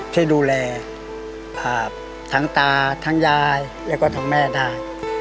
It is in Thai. ช่วยดูแลทั้งตาทั้งยายแล้วก็ทั้งแม่ได้